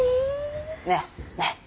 ねえねえ